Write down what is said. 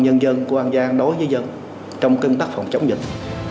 công an nhân dân của an giang đối với dân trong cân tắc phòng chống dịch